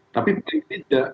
tapi baik tidak